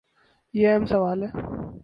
یہ اہم سوال ہے۔